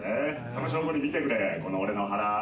その証拠に見てくれ、この俺の腹。